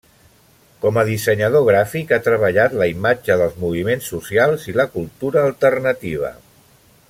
Com a dissenyador gràfic ha treballat la imatge dels moviments socials i la cultura alternativa.